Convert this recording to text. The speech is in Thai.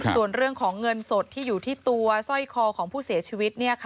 ส่วนเรื่องของเงินสดที่อยู่ที่ตัวสร้อยคอของผู้เสียชีวิต